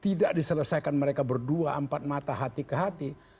tidak diselesaikan mereka berdua empat mata hati ke hati